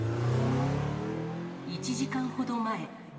１時間ほど前。